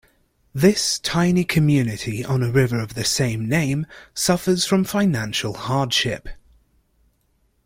This tiny community on a river of the same name suffers from financial hardship.